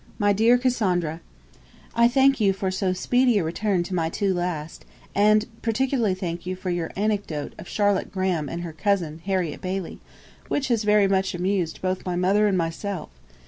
'MY DEAR CASSANDRA, 'I thank you for so speedy a return to my two last, and particularly thank you for your anecdote of Charlotte Graham and her cousin, Harriet Bailey, which has very much amused both my mother and myself.